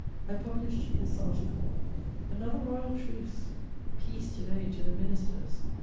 I published this article: "Another royal truce! "Peace to day to the ministers!